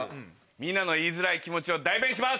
みんなの言いづらい気持ちを代弁します！